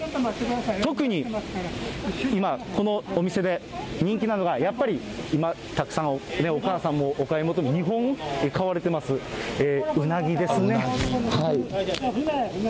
特に今、このお店で人気なのが、やっぱり今、たくさんお母さんもお買い求め、２本買われてます、ウナギですね。